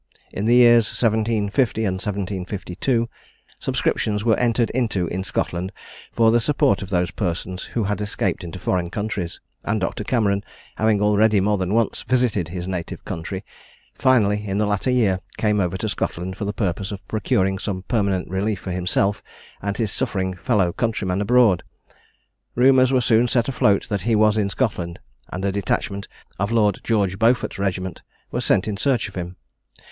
In the years 1750 and 1752, subscriptions were entered into in Scotland for the support of those persons who had escaped into foreign countries, and Doctor Cameron having already more than once visited his native country, finally in the latter year came over to Scotland, for the purpose of procuring some permanent relief for himself and his suffering fellow countrymen abroad. Rumours were soon set afloat that he was in Scotland, and a detachment of Lord George Beaufort's regiment was sent in search of him.